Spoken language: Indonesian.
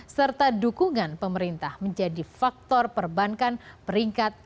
serta dukungan pemerintah menjadi faktor perbankan peringkat